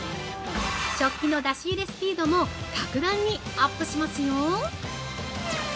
食器の出し入れスピードも格段にアップしますよ！